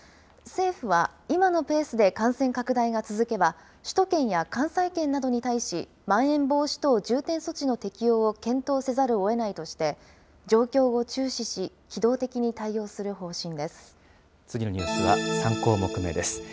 政府は、今のペースで感染拡大が続けば、首都圏や関西圏などに対し、まん延防止等重点措置の適用を検討せざるをえないとして、状況を注視し、機動的に対応する方針です。